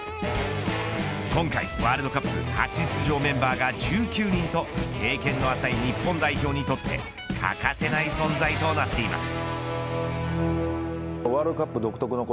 今回ワールドカップ初出場メンバーが１９人と経験の浅い日本代表にとって欠かせない存在となっています。